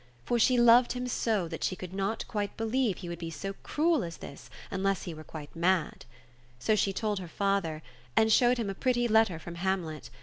For she loved him so that she could not believe he would be so cruel as this, unless he were quite mad. So she told her father, and showed him a pretty letter from Hamlet.